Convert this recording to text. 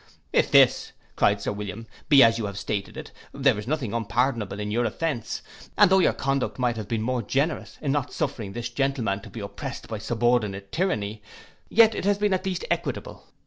'If this,' cried Sir William, 'be as you have stated it, there is nothing unpardonable in your offence, and though your conduct might have been more generous in not suffering this gentleman to be oppressed by subordinate tyranny, yet it has been at least equitable.